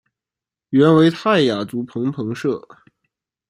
原为泰雅族芃芃社。